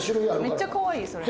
めっちゃかわいいそれ。